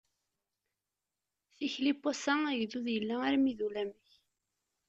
Tikli n wassa, agdud yella armi d ulamek!